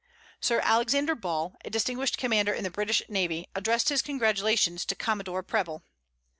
Sir Alexander Ball, a distinguished commander in the British navy, addressed his congratulations to Commodore Preble.